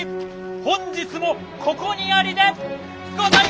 本日もここにありでございます！